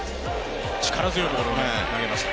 力強いボールを投げました。